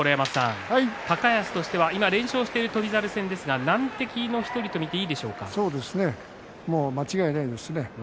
高安としては、今連勝している翔猿戦ですが難敵の１人と見てそうですね間違いないですね。